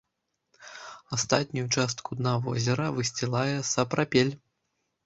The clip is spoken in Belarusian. Астатнюю частку дна возера высцілае сапрапель.